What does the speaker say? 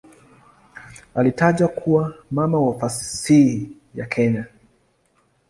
Alitajwa kuwa "mama wa fasihi ya Kenya".